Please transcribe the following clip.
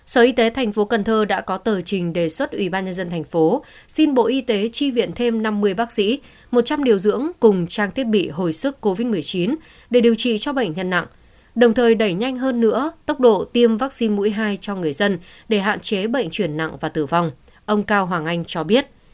sở y tế thành phố cần thơ đã có tờ trình đề xuất ủy ban nhân dân thành phố xin bộ y tế chi viện thêm năm mươi bác sĩ một trăm linh điều dưỡng cùng trang thiết bị hồi sức covid một mươi chín để điều trị cho bệnh nhân nặng đồng thời đẩy nhanh hơn nữa tốc độ tiêm vaccine mũi hai cho người dân để hạn chế bệnh chuyển nặng và tử vong ông cao hoàng anh cho biết